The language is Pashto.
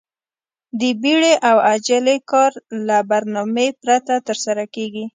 د بيړې او عجلې کار له برنامې پرته ترسره کېږي.